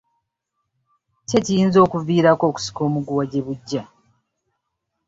Ki ekiyinza okuviirako okusika omuguwa gye bujja?